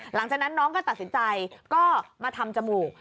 หลังจากนั้นน้องก็ตัดสินใจก็มาทำจมูก